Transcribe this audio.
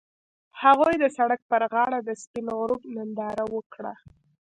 هغوی د سړک پر غاړه د سپین غروب ننداره وکړه.